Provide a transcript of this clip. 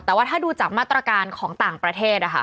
แต่ว่าถ้าดูจากมาตรการของต่างประเทศนะคะ